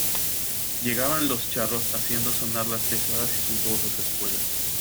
llegaban los charros haciendo sonar las pesadas y suntuosas espuelas